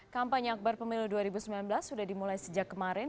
kampanye akbar pemilu dua ribu sembilan belas sudah dimulai sejak kemarin